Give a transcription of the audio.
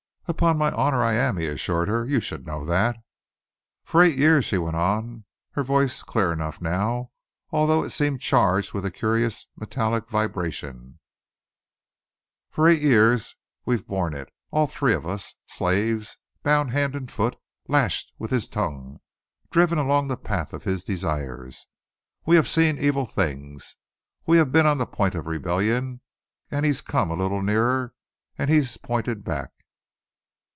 "Upon my honour, I am," he assured her. "You should know that." "For eight years," she went on, her voice clear enough now, although it seemed charged with a curious metallic vibration, "for eight years we've borne it, all three of us, slaves, bound hand and foot, lashed with his tongue, driven along the path of his desires. We have seen evil things. We have been on the point of rebellion, and he's come a little nearer and he's pointed back.